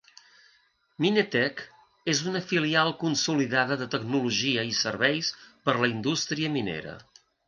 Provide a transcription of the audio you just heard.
Minetec és una filial consolidada de tecnologia i serveis per a la indústria minera.